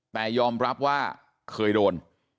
แต่ยอมรับว่าเคยโดน